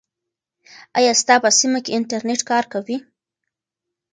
آیا ستا په سیمه کې انټرنیټ کار کوي؟